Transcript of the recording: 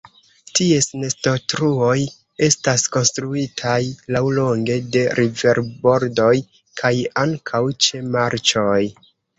Ties nestotruoj estas konstruitaj laŭlonge de riverbordoj, kaj ankaŭ ĉe marĉoj.